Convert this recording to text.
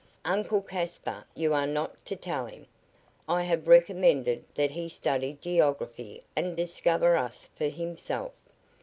"Uncle Caspar, you are not to tell him. I have recommended that he study geography and discover us for himself.